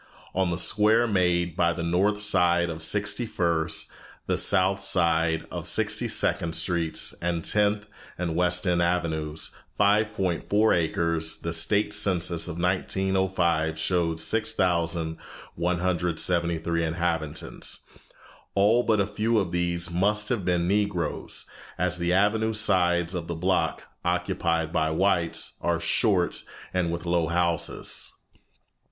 On the square made by the north side of Sixty first, the south side of Sixty second Streets, and Tenth and West End Avenues, 5.4 acres, the state census of 1905 showed 6173 inhabitants. All but a few of these must have been Negroes, as the avenue sides of the block, occupied by whites, are short and with low houses.